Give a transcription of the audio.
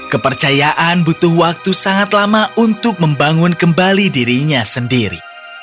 kepercayaan butuh waktu sangat lama untuk membangun kembali dirinya sendiri